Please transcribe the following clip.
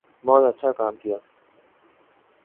بہت اچھا کام کیا